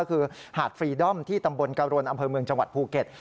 คือหาดฟรีดอมที่ตำบลกะรนอำเภอเมืองจังหวัดภูเก็ต